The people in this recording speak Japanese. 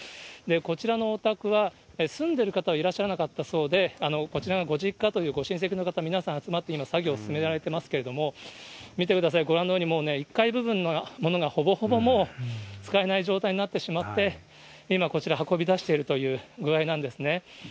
こちらのお宅は、住んでる方はいらっしゃらなかったそうで、こちらのご実家というご親戚の方、皆さん集まって今、作業進められていますけれども、見てください、ご覧のように、もうね、１階部分のものがほぼほぼもう使えない状態になってしまって、今こちらに運び出しているという具合なんですね。